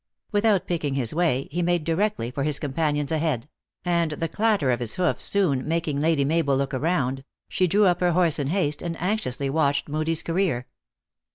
Without picking his way, he made directly for his companions ahead ; and the clatter of his hoofs soon making Lady Mabel look round, she drew up her horse in haste, and anxiously watched Moodie s career.